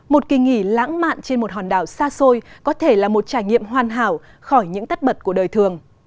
một kỳ nghỉ lãng mạn trên một hòn đảo xa xôi có thể là một trải nghiệm hoàn hảo khỏi những tất bật của đời thường